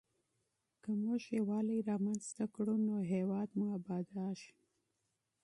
که موږ متحد سو نو هیواد مو ابادیږي.